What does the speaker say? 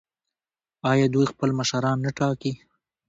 آیا دوی خپل مشران نه ټاکي؟